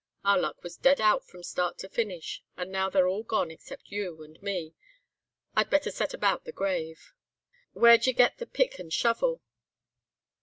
Our luck was dead out from start to finish, and now they're all gone except you and me. I'd better set about the grave.' "'Where'd ye get the pick and shovel?